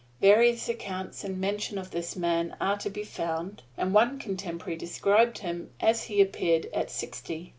Various accounts and mention of this man are to be found, and one contemporary described him as he appeared at sixty.